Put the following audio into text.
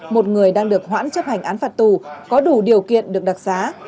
một người đang được hoãn chấp hành án phạt tù có đủ điều kiện được đặc xá